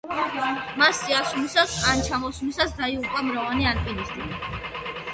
მასზე ასვლისას ან ჩამოსვლისას დაიღუპა მრავალი ალპინისტი.